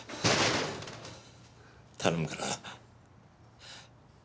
頼むから。